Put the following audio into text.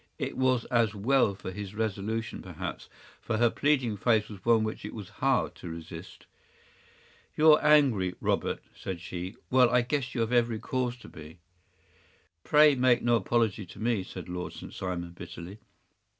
It was as well for his resolution, perhaps, for her pleading face was one which it was hard to resist. “You’re angry, Robert,” said she. “Well, I guess you have every cause to be.” “Pray make no apology to me,” said Lord St. Simon, bitterly.